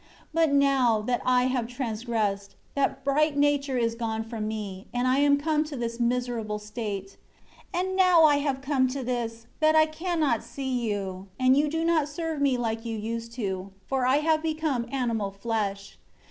4 But now, that I have transgressed, that bright nature is gone from me, and I am come to this miserable state. And now I have come to this, that I cannot see you, and you do not serve me like you used to do. For I have become animal flesh.